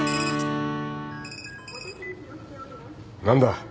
何だ。